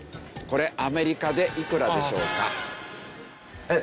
これアメリカでいくらでしょうか？